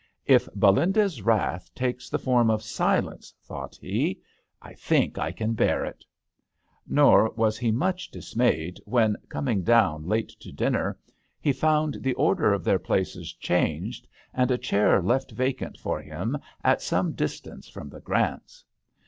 " If Belinda's wrath takes the form of silence," thought he, " I think I can bear it." 36 THE h6tel d'angleterrs. Nor was he much dismayed when, coming down late to din ner, he found the order of their places changed, and a chair left vacant for him at some distance from the Grants.